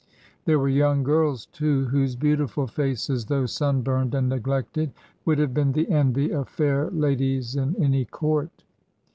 There were young girls, too, whose beautiful faces, though sun burned and neglected, would have been the envy 126 I IN THE BRICK FIELDS of fair ladies in any court.